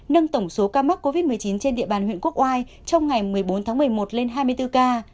nâng tổng số ca mắc covid một mươi chín trên địa bàn huyện quốc oai trong ngày một mươi bốn tháng một mươi một lên hai mươi bốn ca